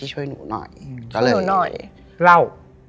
หนูหน่อยเล่า